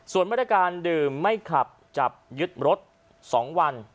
ส่วนมาตรการดื่มไม่ขับจับยึดรถ๒วัน